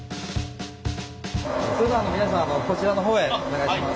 それでは皆さんこちらの方へお願いします。